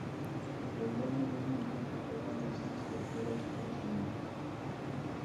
Recaudó más de un millón de dólares extranjeros y nacionales.